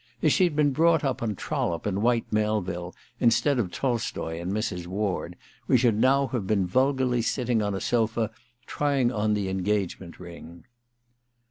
If she'd been brought up on Trollope and Whyte Melville, instead of Tolstoi and Mrs. Ward, we should have now been vulgarly ^tting on a sofa, trying on the engagement ring.'